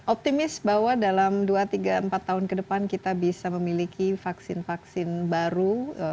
optimis bahwa dalam dua tiga empat tahun ke depan kita bisa memiliki vaksin vaksin baru